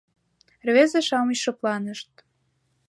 Рвезе-шамыч шыпланышт.